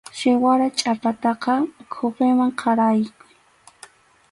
Siwara chhapataqa quwiman qaraykuy.